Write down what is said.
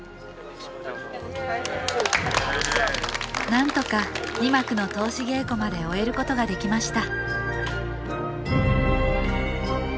なんとか二幕の通し稽古まで終えることができました